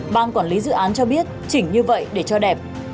ban quản lý dự án cho biết chỉnh như vậy để cho đẹp